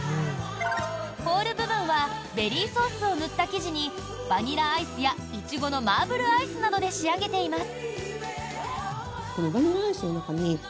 ホール部分はベリーソースを塗った生地にバニラアイスやイチゴのマーブルアイスなどで仕上げています。